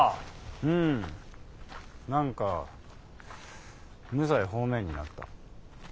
んん何か無罪放免になった。